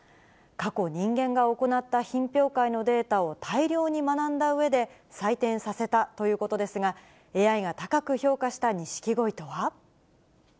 過去、人間が行った品評会のデータを大量に学んだうえで、採点させたということですが、ＡＩが高く評価したニシキゴイとは。